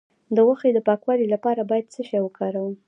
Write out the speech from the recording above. د غوښې د پاکوالي لپاره باید څه شی وکاروم؟